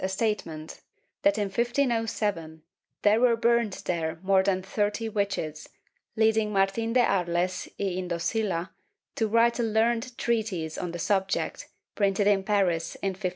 a statement that in 1507 there were burnt there more than thirty witches, leading Martin de Aries y Andosilla to write a learned treatise on the subject, printed in Paris in 1517.